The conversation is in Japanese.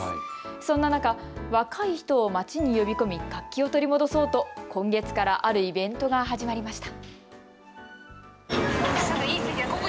そんな中、若い人を街に呼び込み活気を取り戻そうと今月からあるイベントが始まりました。